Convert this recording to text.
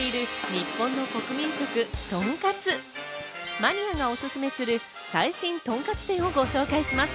マニアがおすすめする最新とんかつ店をご紹介します。